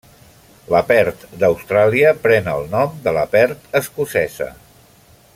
La Perth d'Austràlia pren el nom de la Perth escocesa.